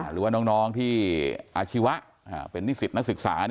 หรือว่าน้องที่อาชีวะเป็นนิสิตนักศึกษา